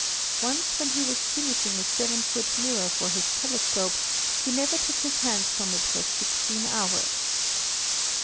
Once when he was finishing a seven foot mirror for his telescope, he never took his hands from it for sixteen hours.